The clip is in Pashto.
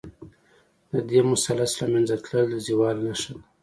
د دې مثلث له منځه تلل، د زوال نښه ده.